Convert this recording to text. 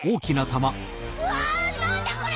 うわなんだこれ！